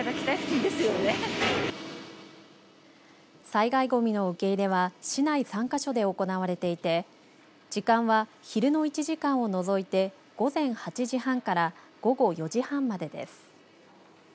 災害ごみの受け入れは市内３か所で行われていて時間は昼の１時間を除いて午前８時半から午後４時半までです。